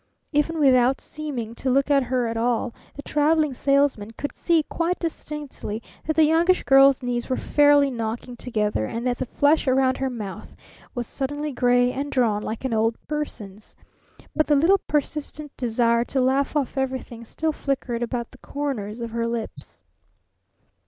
Even without seeming to look at her at all, the Traveling Salesman could see quite distinctly that the Youngish Girl's knees were fairly knocking together and that the flesh around her mouth was suddenly gray and drawn, like an old person's. But the little persistent desire to laugh off everything still flickered about the corners of her lips.